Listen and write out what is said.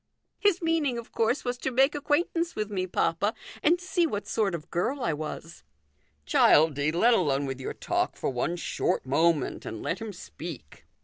" His meaning, of course, was to make ac quaintance with me, papa, and see what sort of girl I was." " Childie, let alone with your talk for one short moment, and let him speak." 3o8 THE GOLDEN RULE.